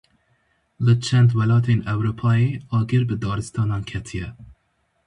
Li çend welatên Ewropayê agir bi daristanan ketiye.